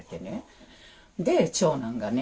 長男がね